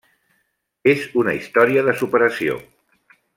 És una història de superació.